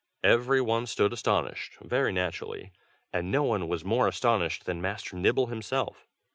Every one stood astonished, very naturally, and no one was more astonished than Master Nibble himself.